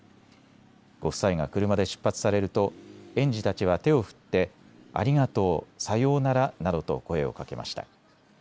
ご夫妻が車で出発されると園児たちは手を振ってありがとう、さようならなどと声をかけました。